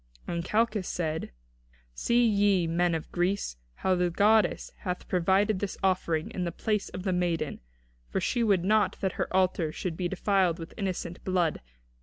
And Calchas said: "See ye this, men of Greece, how the goddess hath provided this offering in the place of the maiden, for she would not that her altar should be defiled with innocent blood.